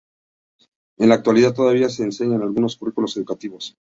En la actualidad, todavía se enseña en algunos currículos educativos.